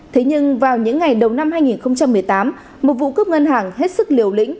thế nhưng vào những ngày đầu năm hai nghìn một mươi tám một vụ cướp ngân hàng hết sức liều lĩnh